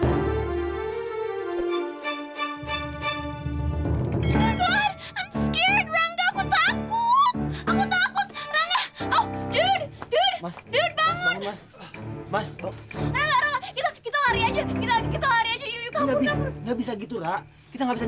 bohong pak rt mereka pasti niat mau ngeracunin orang kampung disini